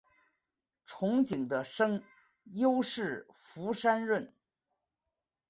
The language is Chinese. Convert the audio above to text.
憧憬的声优是福山润。